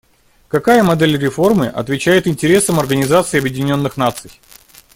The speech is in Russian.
Какая модель реформы отвечает интересам Организации Объединенных Наций?